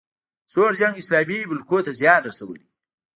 سوړ جنګ اسلامي ملکونو ته زیان رسولی